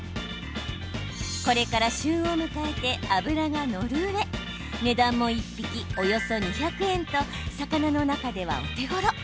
これから旬を迎えて脂が乗るうえ値段も１匹およそ２００円と魚の中ではお手ごろ。